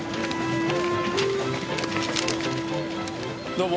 どうも。